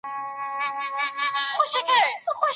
ښځي په کوم ډول لباس کي دباندې وځي؟